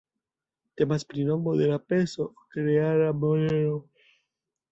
Temas pri nomo de la peso, ok-reala monero.